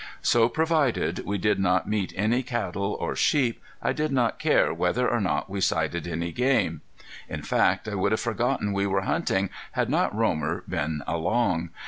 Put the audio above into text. So provided we did not meet any cattle or sheep I did not care whether or not we sighted any game. In fact I would have forgotten we were hunting had not Romer been along.